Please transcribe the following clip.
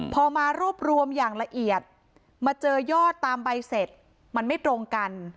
พอมารวบรวมอย่างละเอียดมาเจอยอดตามใบเสร็จมันไม่ตรงกัน